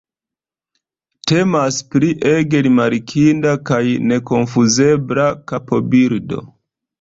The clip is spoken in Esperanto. Temas pri ege rimarkinda kaj nekonfuzebla kapobildo.